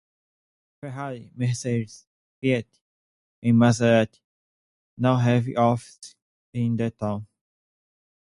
Ferrari, Mercedes, Fiat and Maserati now have offices in the town.